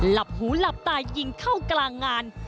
หลับหูหลับตายิงเข้ากลางงาน